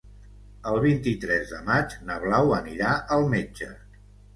El vint-i-tres de maig na Blau anirà al metge.